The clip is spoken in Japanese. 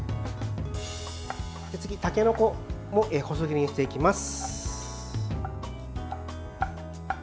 次、たけのこも細切りにしていきます。